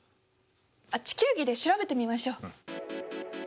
あっ地球儀で調べてみましょう。